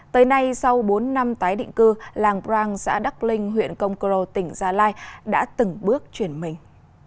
tới nay sau bốn năm tái định cư làng prang xã đắc linh huyện công cro tỉnh gia lai đã từng bước chuyển mình